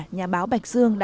nhà báo bạch dương